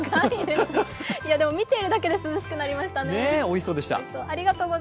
見ているだけで涼しくなりましたね、おいしそう。